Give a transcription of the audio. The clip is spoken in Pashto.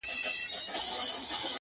هغه زما خبري پټي ساتي.